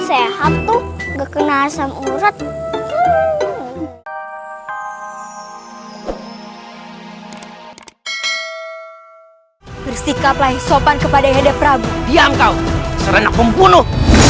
sehat tuh gak kena asam urat bersikaplah sopan kepada hedef prabu diam kau serenak pembunuh